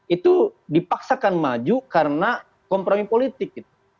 itu dipaksakan maju karena kompromi politik